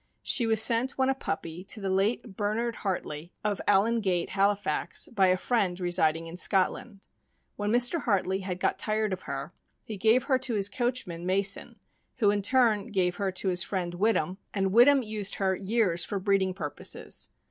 She was sent when a puppy to the late Bernard Hartley, of Allen Gate, Halifax, by a friend residing in Scotland. When Mr. Hartley had got tired of her, he gave her to his coachman, Mason, who in turn gave her to his friend Whittam, and Whittam used her years for breeding purposes.